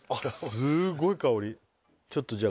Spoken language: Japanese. すごい香りちょっとじゃあ